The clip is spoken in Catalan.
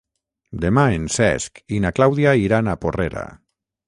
Demà en Cesc i na Clàudia iran a Porrera.